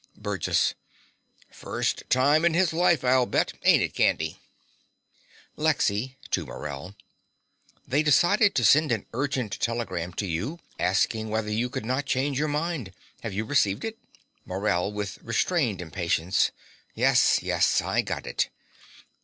BURGESS. First time in his life, I'll bet. Ain' it, Candy? LEXY (to Morell). They decided to send an urgent telegram to you asking whether you could not change your mind. Have you received it? MORELL (with restrained impatience). Yes, yes: I got it.